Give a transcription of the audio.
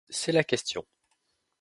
C’est la question.